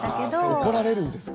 あ怒られるんですか。